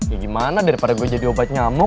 ya gimana daripada gue jadi obat nyamuk